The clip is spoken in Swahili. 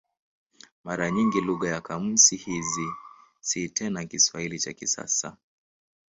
Mara nyingi lugha ya kamusi hizi si tena Kiswahili cha kisasa.